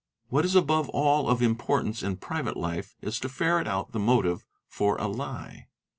| What is above all of importance in private life is to ferret out the motive for a lie.